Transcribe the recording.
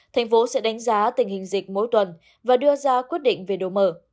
thành phố sẽ đánh giá tình hình dịch mỗi tuần và đưa ra quyết định về đồ mở